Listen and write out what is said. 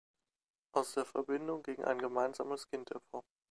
Aus der Verbindung ging ein gemeinsames Kind hervor.